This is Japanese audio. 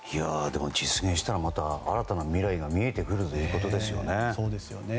実現したら新たな未来が見えてくるということですよね。